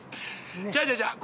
違う違う違う。